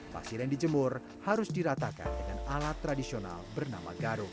pasir yang dijemur harus diratakan dengan alat tradisional bernama garung